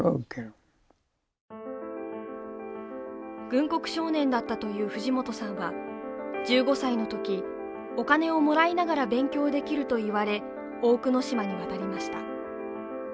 軍国少年だったという藤本さんは、１５歳のとき、お金をもらいながら勉強できると言われ大久野島に渡りました。